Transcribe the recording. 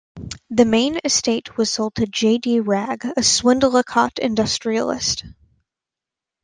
The main estate was sold to J. D. Wragg, a Swadlincote industrialist.